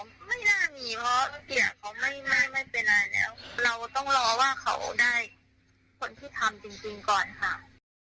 เราต้องรอว่าเขาได้คนที่ทำจริงก่อนค่ะ